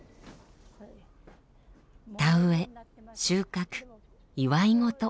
田植え収穫祝い事。